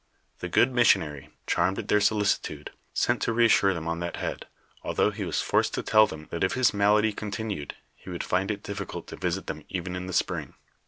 The good mis sionary, charmed at their solicitude, sent to reassure them on that liead, although he was forced to tell them that if his mal ady continued, he would find it diflScult lo visit them even in the spring.